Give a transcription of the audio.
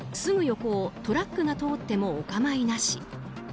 すぐ横をトラックが通ってもお構いなし。